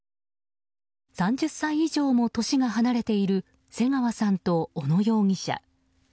３０歳以上も年が離れている瀬川さんと小野容疑者。